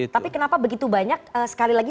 tapi kenapa begitu banyak sekali lagi